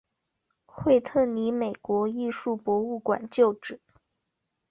惠特尼美国艺术博物馆旧址。